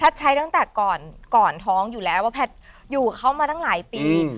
ใช้ตั้งแต่ก่อนท้องอยู่แล้วว่าแพทย์อยู่เขามาตั้งหลายปี